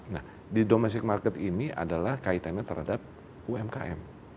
nah di domestic market ini adalah kaitannya terhadap umkm